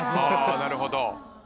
なるほど。